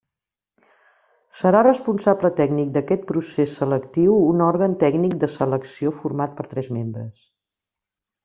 Serà responsable tècnic d'aquest procés selectiu un òrgan tècnic de selecció format per tres membres.